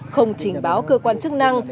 không chỉnh báo cơ quan chức năng